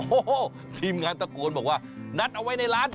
โอ้โหทีมงานตะโกนบอกว่านัดเอาไว้ในร้าน